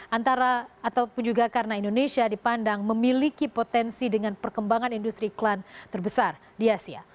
antara ataupun juga karena indonesia dipandang memiliki potensi dengan perkembangan industri iklan terbesar di asia